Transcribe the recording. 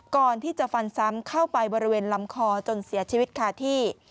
ก่อนที่จะฟันซ้ำเข้าไปบริเวณลำคอจนเสียชีวิตคาที่